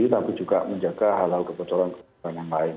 tapi juga menjaga hal hal kebocoran kebocoran yang lain